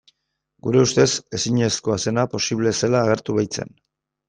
Gure ustez ezinezkoa zena posible zela agertu baitzen.